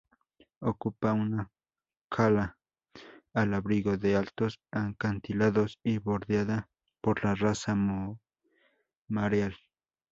Ocupa una cala al abrigo de altos acantilados y bordeada por la rasa mareal.